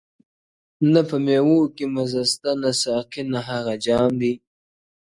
نه په میو کي مزه سته نه ساقي نه هغه جام دی -